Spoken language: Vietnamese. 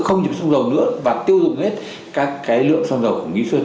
không nhập xăng dầu nữa và tiêu dùng hết các cái lượng xăng dầu của nghĩa sơn